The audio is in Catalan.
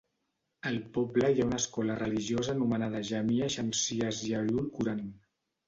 Al poble hi ha una escola religiosa anomenada Jamia Shamsia Zia Ul Quran.